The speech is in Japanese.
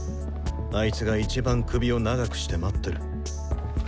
あいつがいちばん首を長くして待ってる。